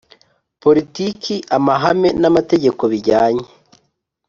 politiki amahame n amategeko bijyanye